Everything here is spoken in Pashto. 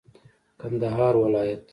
کندهار ولايت